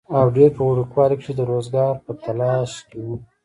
او ډېر پۀ وړوکوالي کښې د روزګار پۀ تالاش کښې